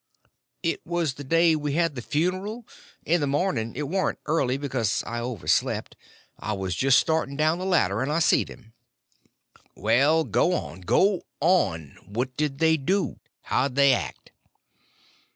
"It was the day we had the funeral. In the morning. It warn't early, because I overslept. I was just starting down the ladder, and I see them." "Well, go on, go on! What did they do? How'd they act?"